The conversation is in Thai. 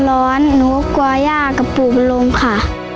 หนูก็กลัวย่ากับปลูกมันลงค่ะ